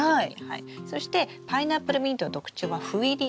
そしてパイナップルミントの特徴は斑入り。